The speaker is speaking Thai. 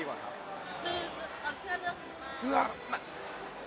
คือเราเชื่อเรื่องนี้มั้ย